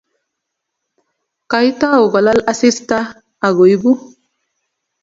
kaitou kulal asista akuibu